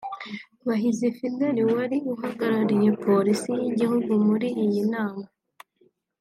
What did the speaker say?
Bahizi Fidèle wari uhagarariye Polisi y’Igihugu muri iyi nama